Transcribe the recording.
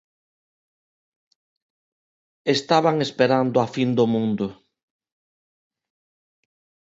Estaban esperando a fin do mundo.